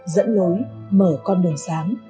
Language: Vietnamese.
dẫn lối mở con đường sáng để họ trở về